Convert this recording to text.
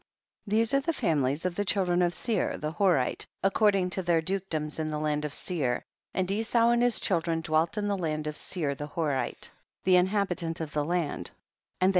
37. These are the families of the children of Seir the Horite, accord ing to their dukedoms in the land of Seir. 38. And Esau and his children dwelt in the land of Seir the Horite, the inhabitant of the land, and they THE BOOK OF JASHER.